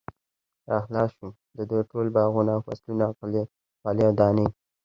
را خلاص شو، د دوی ټول باغونه او فصلونه، غلې او دانې